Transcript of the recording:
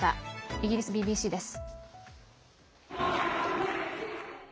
イギリスＢＢＣです。